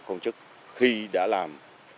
công chức khi đã làm